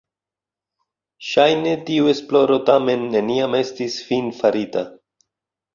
Ŝajne tiu esploro tamen neniam estis finfarita.